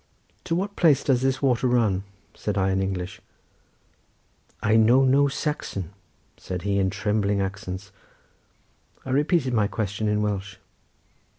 "To what place does this water run?" said I in English. "I know no Saxon," said he in trembling accents. I repeated my question in Welsh.